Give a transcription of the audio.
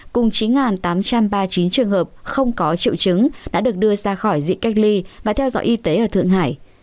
cùng chín tám trăm ba mươi chín trường hợp không có triệu chứng đã được đưa ra khỏi diện cách ly và theo dõi y tế ở thượng hải